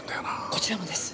こちらもです。